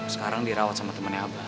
sekarang dirawat sama temennya abah